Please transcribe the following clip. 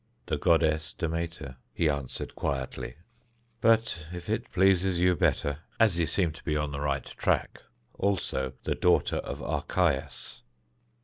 "The goddess Demeter," he answered quietly; "but if it pleases you better, as you seem to be on the right track, also the daughter of Archias."